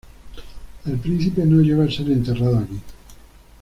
El príncipe no llegó a ser enterrado aquí.